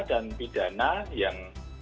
dan pidana yang